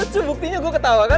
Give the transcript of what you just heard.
tuh buktinya gue ketawa kan